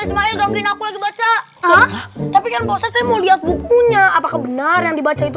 ismail gambir aku lagi baca tapi kan proses saya mau lihat bukunya apakah benar yang dibaca itu